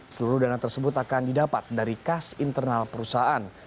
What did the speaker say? seluruh dana tersebut akan didapat dari kas internal perusahaan